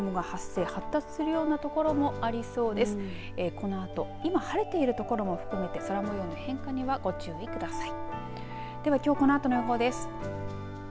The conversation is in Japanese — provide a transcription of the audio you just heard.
このあと今晴れているところも含めて空もようの変化にはご注意ください。